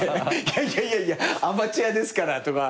いやいやアマチュアですからとか。